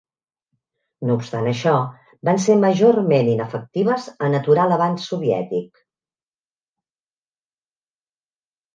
No obstant això, van ser majorment inefectives en aturar l'avanç soviètic.